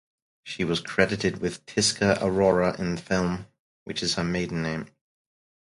She was credited with Tisca Arora in the film which is her maiden name.